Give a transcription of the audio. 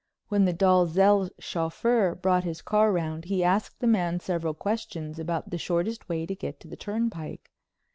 When the Dalzells' chauffeur brought his car round he asked the man several questions about the shortest way to get to the turnpike.